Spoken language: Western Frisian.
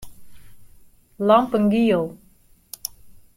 Lampen giel.